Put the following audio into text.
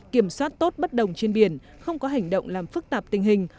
kiểm soát tốt bất đồng trên biển không có hành động làm phức tạp tình hình